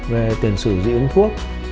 về tiền sử dị uống thuốc